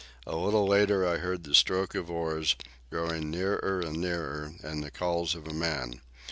A little later I heard the stroke of oars, growing nearer and nearer, and the calls of a man.